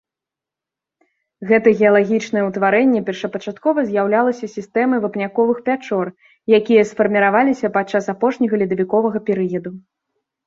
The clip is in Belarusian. Гэта геалагічнае ўтварэнне першапачаткова з'яўлялася сістэмай вапняковых пячор, якія сфарміраваліся падчас апошняга ледавіковага перыяду.